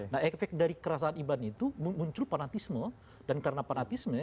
nah efek dari kerasaan iban itu muncul fanatisme dan karena fanatisme